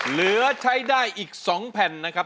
เหลือใช้ได้อีก๒แผ่นนะครับ